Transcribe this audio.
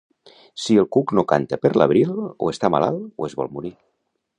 Si el cuc no canta per l'abril o està malalt o es vol morir.